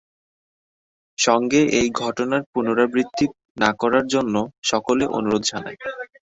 সঙ্গে এই ঘটনার পুনরাবৃত্তি না করার জন্য সকলে অনুরোধ জানায়।